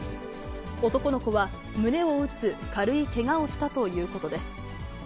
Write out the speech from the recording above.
男の子は胸を打つ軽いけがをしたということです。